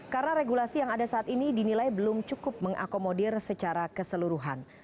karena regulasi yang ada saat ini dinilai belum cukup mengakomodir secara keseluruhan